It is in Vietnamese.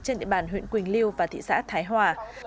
trên địa bàn huyện quỳnh liêu và thị xã thái hòa